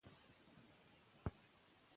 په جوماتونو کې د ملي یووالي دعاګانې وکړئ.